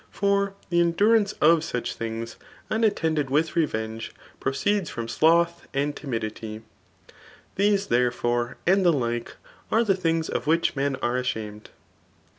For the endnraiice iof aoch thic^ unattended widi rerenge proceedis fr6A abth and timidity. Thes^ therefore, and die like'ate thi things of which i»en are adiamed